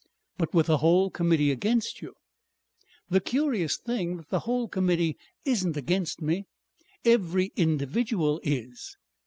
"But with the whole Committee against you!" "The curious thing is that the whole Committee isn't against me. Every individual is...."